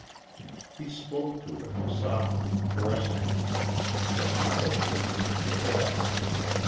He spoke to it softly, caressingly then went over and picked it up.